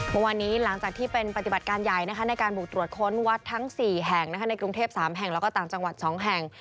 เมื่อวานนี้หลังจากที่เป็นปฏิบัติการใหญ่ในการบุกตรวจค้นวัดทั้ง๔แห่งในกรุงเทพ๓แห่งแล้วก็ต่างจังหวัด๒แห่ง